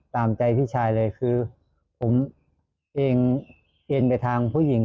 ตามใจพี่ชายเลยคือผมเองเอ็นไปทางผู้หญิง